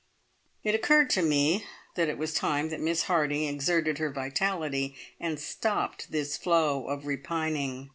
It occurred to me that it was time that Miss Harding exerted her vitality and stopped this flow of repining.